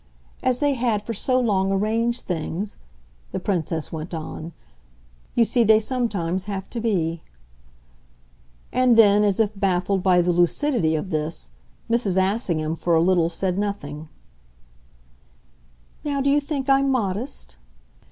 As they had for so long arranged things," the Princess went on, "you see they sometimes have to be." And then, as if baffled by the lucidity of this, Mrs. Assingham for a little said nothing: "Now do you think I'm modest?"